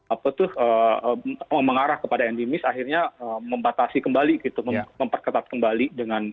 apa tuh mengarah kepada endemis akhirnya membatasi kembali gitu memperketat kembali dengan